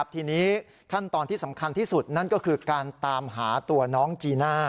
ทีนี้ขั้นตอนที่สำคัญที่สุดนั่นก็คือการตามหาตัวน้องจีน่า